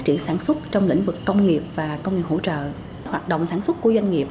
triển sản xuất trong lĩnh vực công nghiệp và công nghiệp hỗ trợ hoạt động sản xuất của doanh nghiệp